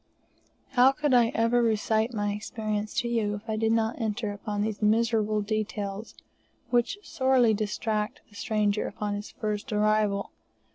How could I ever recite my experience to you if I did not enter upon these miserable details, which sorely distract the stranger upon his first arrival?